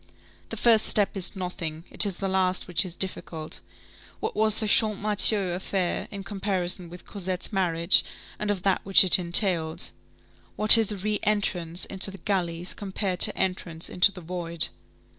The first step is nothing, it is the last which is difficult. What was the Champmathieu affair in comparison with Cosette's marriage and of that which it entailed? What is a re entrance into the galleys, compared to entrance into the void?